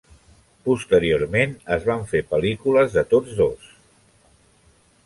Posteriorment es van fer pel·lícules de tots dos.